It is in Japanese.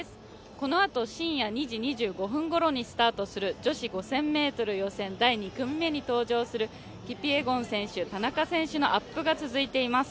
このあと深夜２時２５分ごろにスタートする女子５０００ｍ予選第２組目に登場するキピエゴン選手、田中選手のアップが続いています。